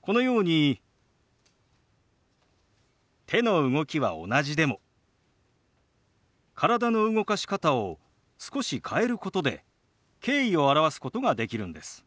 このように手の動きは同じでも体の動かし方を少し変えることで敬意を表すことができるんです。